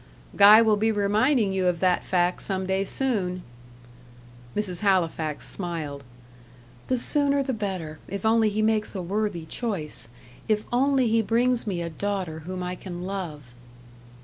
"Guy will be reminding you of that fact some day soon." Mrs. Halifax smiled. "The sooner the better, if only he makes a worthy choice if only he brings me a daughter whom I can love."